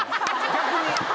逆に。